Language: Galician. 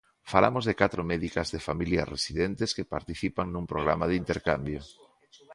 Falamos de catro médicas de familia residentes que participan nun programa de intercambio.